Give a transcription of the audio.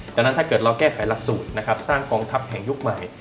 ดังนั้นถ้าเกิดเราแก้ไขหลักสูตรนะครับสร้างกองทัพแห่งยุคใหม่